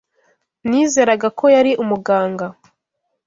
Nizeraga ko yari umuganga.